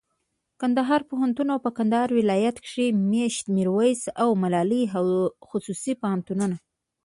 کندهار پوهنتون او په کندهار ولایت کښي مېشت میرویس او ملالي خصوصي پوهنتون